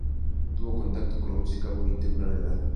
Tuvo contacto con la música a muy temprana edad.